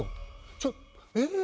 ちょえっ。